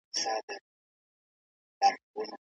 سیاسي بندیان د نورمالو ډیپلوماټیکو اړیکو ګټي نه لري.